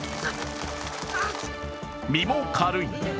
身も軽い。